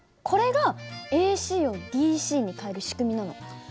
これがＡＣをＤＣに変える仕組みなの？